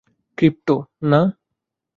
Crypto, না।